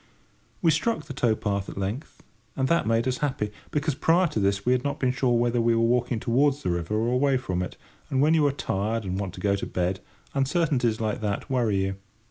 We struck the tow path at length, and that made us happy; because prior to this we had not been sure whether we were walking towards the river or away from it, and when you are tired and want to go to bed uncertainties like that worry you.